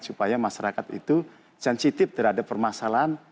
supaya masyarakat itu sensitif terhadap permasalahan